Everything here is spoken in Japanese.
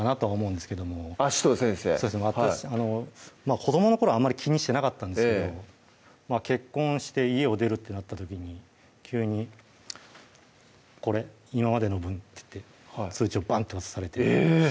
子どもの頃あまり気にしてなかったんですけど結婚して家を出るってなった時に急に「これ今までの分」って言って通帳バンって渡されてえーっ！